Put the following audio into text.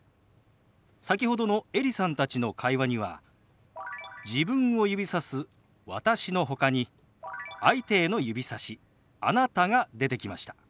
先ほどのエリさんたちの会話には自分を指さす「私」のほかに相手への指さし「あなた」が出てきました。